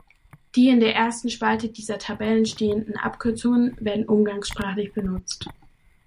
Die in der ersten Spalte dieser Tabellen stehenden Abkürzungen werden umgangssprachlich benutzt.